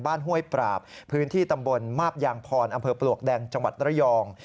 ห้วยปราบพื้นที่ตำบลมาบยางพรอำเภอปลวกแดงจังหวัดระยอง